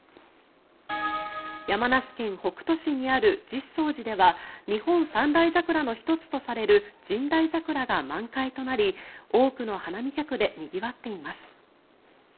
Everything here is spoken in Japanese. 山梨県北杜市にある実相寺では日本三大桜の１つとされる神代桜が満開となり多くの花見客でにぎわっています。